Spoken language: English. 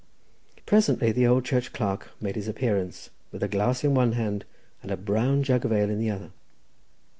Presently the old church clerk made his appearance, with a glass in one hand, and a brown jug of ale in the other.